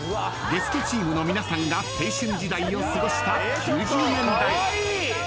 ［ゲストチームの皆さんが青春時代を過ごした９０年代］